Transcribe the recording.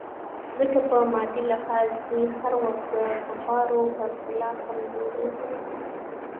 ځکه په مادي لحاظ دوی هر وخت د کفارو پرتله کمزوري وو.